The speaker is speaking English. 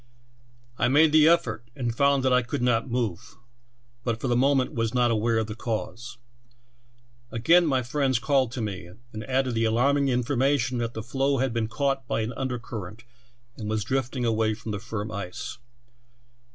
I made the effort, and found that I could not move, but for the moment was not aware of the cause. Again my friends called to me, and added the alarming information that the floe had been caught by an under current and was drifting away from the firm ice.